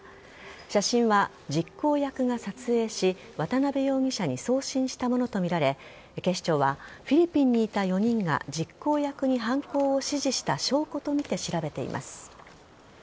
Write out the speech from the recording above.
写真は、実行役が撮影し渡辺容疑者に送信したものとみられ警視庁はフィリピンにいた４人が実行役に犯行を指示した証拠とみて調べています。